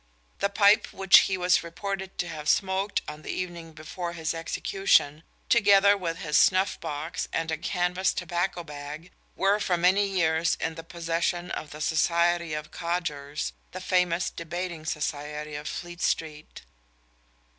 The pipe which he was reported to have smoked on the evening before his execution, together with his snuff box and a canvas tobacco bag, were for many years in the possession of the Society of Cogers, the famous debating society of Fleet Street.